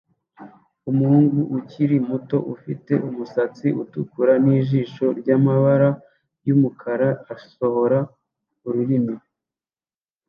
Umuhungu ukiri muto ufite umusatsi utukura nijisho ryamabara yumukara asohora ururimi